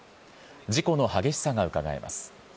事故の激しさがうかがえます。